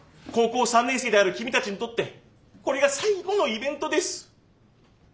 高校３年生である君たちにとってこれが最後のイベントです。